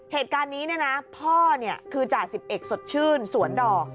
เหตุการณ์นี้พ่อคือจ่าย๑๑สดชื่นสวนดอก